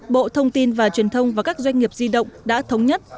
bộ thông tin và truyền thông và các doanh nghiệp di động đã thống nhất